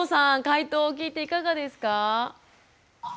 回答を聞いていかがですか？